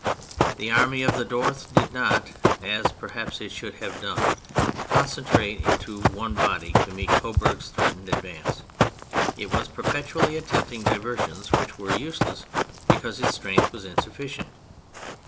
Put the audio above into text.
The Army of the North did not, as perhaps it should have done, concentrate into one body to meet Coburg's threatened advance; it was perpetually attempting diversions which were useless because its strength was insufficient.